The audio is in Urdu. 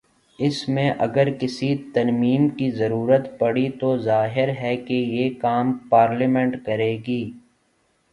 اس میں اگر کسی ترمیم کی ضرورت پڑی تو ظاہر ہے کہ یہ کام پارلیمنٹ کر ے گی۔